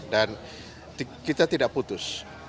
dan kita tidak putus